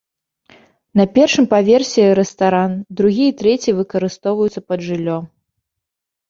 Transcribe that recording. На першым паверсе рэстаран, другі і трэці выкарыстоўваюцца пад жыллё.